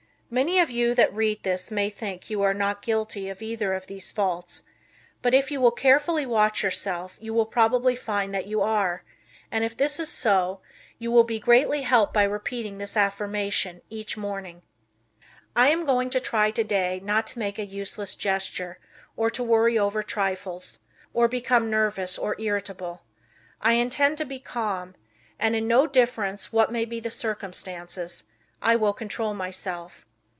Many of you that read this may think you are not guilty of either of these faults, but if you will carefully watch yourself you will probably find that you are, and, if so, you will be greatly helped by repeating this affirmation each morning: "I am going to try today not to make a useless gesture or to worry over trifles, or become nervous or irritable. I intend to be calm, and, no difference what may be the circumstances, I will control myself.